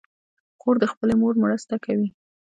خور د خپلې مور مرسته کوي.